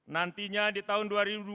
nantinya di tahun dua ribu dua puluh